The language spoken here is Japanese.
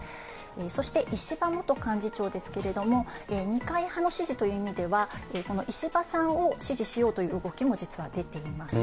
そして石破元幹事長ですけれども、二階派の支持という意味では、この石破さんを支持しようという動きも実は出ています。